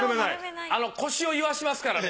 腰をいわしますからね